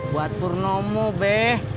buat purnomo beh